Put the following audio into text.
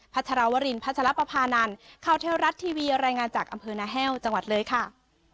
ชรวรินพัชรปภานันข่าวเทวรัฐทีวีรายงานจากอำเภอนาแห้วจังหวัดเลยค่ะ